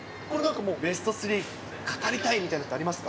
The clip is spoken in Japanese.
ベスト３、語りたいみたいなのありますか？